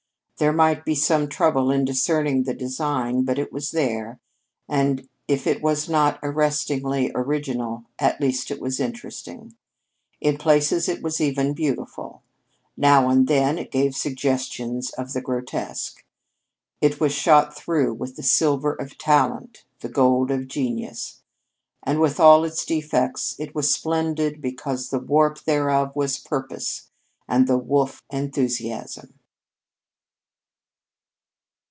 There might be some trouble in discerning the design, but it was there, and if it was not arrestingly original, at least it was interesting. In places it was even beautiful. Now and then it gave suggestions of the grotesque. It was shot through with the silver of talent, the gold of genius. And with all of its defects it was splendid because the warp thereof was purpose and the woof enthusiasm.